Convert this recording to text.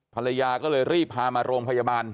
ภรรยาก็เลยรีบพามาโรงพยาบาล